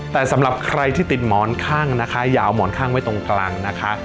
แต่สำหรับใครที่ติดหมอนข้างนะคะอย่าเอาหมอนข้างไว้ตรงกลางนะคะ